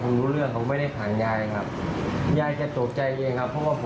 รู้เรื่องไหมว่าคืนไป